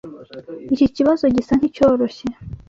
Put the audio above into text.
Iki kibazo gisa nkicyoroshye.